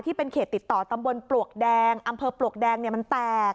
เขตติดต่อตำบลปลวกแดงอำเภอปลวกแดงมันแตก